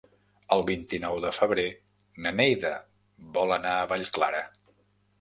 El vint-i-nou de febrer na Neida vol anar a Vallclara.